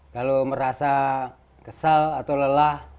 kalau merasa kesal atau lelah